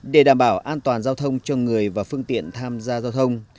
để đảm bảo an toàn giao thông cho người và phương tiện tham gia giao thông